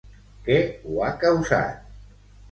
Què ho ha causat?